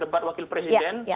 debat wakil presiden